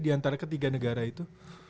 di antara ketiga negara itu